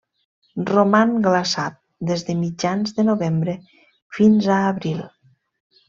Roman glaçat des de mitjans de novembre fins a abril.